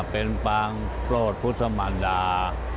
เป็นปางโปรดพุทธมันดา